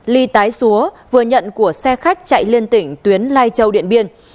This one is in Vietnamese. ly tái xúa vừa nhận của xe khách chạy liên tỉnh tuyến lai châu điện biên